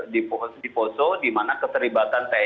di poso dimana keterlibatan tni